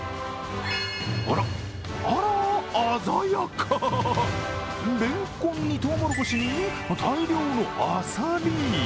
あら、あら、鮮やかレンコンにトウモロコシに大量のアサリ。